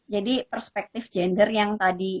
jadi perspektif gender yang tadi